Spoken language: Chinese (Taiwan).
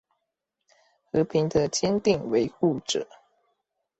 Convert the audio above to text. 和平的堅定維護者